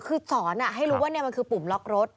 คือสอนให้รู้ว่ามันคือปุ่มล็อกรถ